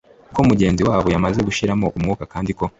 ko mugenzi wabo yamaze gushiramo umwuka kandi ko